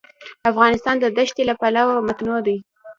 افغانستان د ښتې له پلوه متنوع دی.